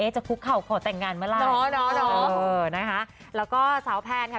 เอ๊ะจะคุกเข่าขอแต่งงานเมื่อไหร่นอนอนอเออนะคะแล้วก็สาวแพนค่ะ